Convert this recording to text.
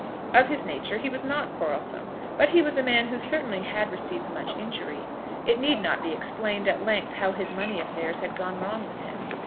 Of his nature he was not quarrelsome; but he was a man who certainly had received much injury. It need not be explained at length how his money affairs had gone wrong with him.